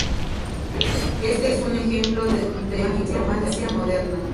Este es un ejemplo de nigromancia moderna.